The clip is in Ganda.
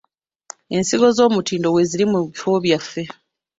Ensigo ez'omutindo weeziri mu bifo byaffe.